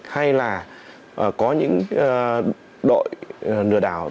hay là có những đội lừa đảo